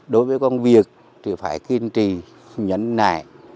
đối với công việc thì phải kiên trì nhấn nại